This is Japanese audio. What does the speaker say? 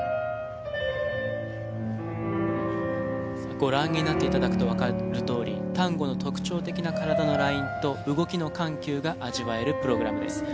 ご覧になっていただくとわかるとおりタンゴの特徴的な体のラインと動きの緩急が味わえるプログラムです。